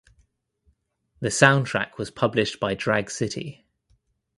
The soundtrack was published by Drag City.